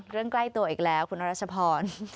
ใกล้ตัวอีกแล้วคุณรัชพร